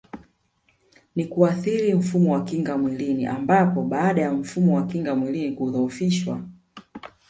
Ni kuathiri mfumo wa kinga mwilini ambapo baada ya mfumo wa kinga mwilini kudhohofishwa